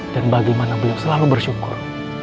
dan bagaimana beliau selalu bersyukur